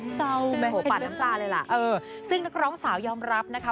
เศร้าแม่โหปาดน้ำตาเลยล่ะเออซึ่งนักร้องสาวยอมรับนะคะ